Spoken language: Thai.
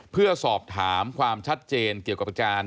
เพื่อสอบถามความชัดเจนเกี่ยวกับการ